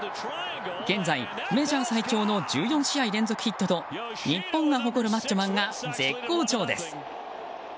現在メジャー最長の１４試合連続ヒットと日本が誇るマッチョマンが絶好調です。